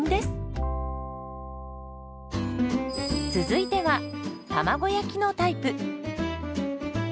続いては卵焼きのタイプ。